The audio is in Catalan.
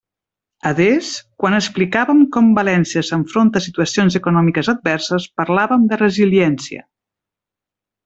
Adés, quan explicàvem com València s'enfronta a situacions econòmiques adverses, parlàvem de resiliència.